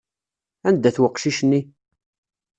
Anda-t weqcic-nni?